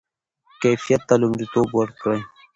کیفیت ته لومړیتوب ورکړئ.